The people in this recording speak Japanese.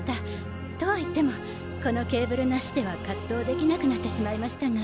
とはいってもこのケーブルなしでは活動できなくなってしまいましたが。